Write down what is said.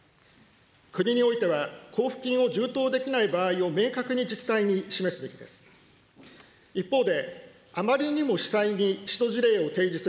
国においては、交付金を充当できない場合を明確に自治体に示すべきです。